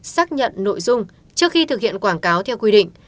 xác nhận nội dung trước khi thực hiện quảng cáo theo quy định